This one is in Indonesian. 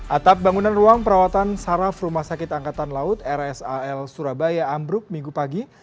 atap bangunan ruang perawatan saraf rumah sakit angkatan laut rsal surabaya ambruk minggu pagi